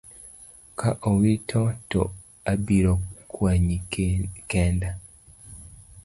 Ka owiti to abiro kwanyi kenda.